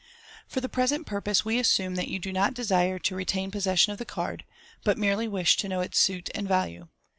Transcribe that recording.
For the present purpose, we assume that you do not desire to retain pos session of the card, but merely wish to know its suit and value.